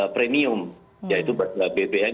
premium yaitu bpn